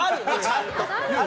ちゃんと。